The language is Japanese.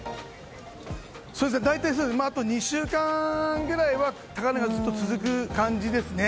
大体あと２週間ぐらいは高値がずっと続く感じですね。